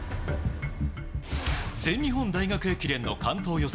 全日本大学駅伝の関東予選